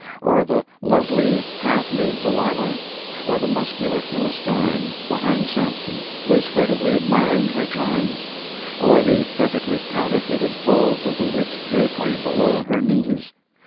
or the lovely, half nude Delilah? or the muscular Philistine behind Sampson, who is furtively admiring her charms? or the perfectly counterfeited folds of the rich drapery below her knees?